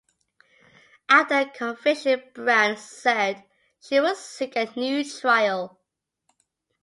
After the conviction, Brown said she would seek a new trial.